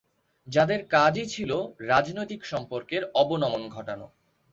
যাদের কাজই ছিল রাজনৈতিক সম্পর্কের অবনমন ঘটানো।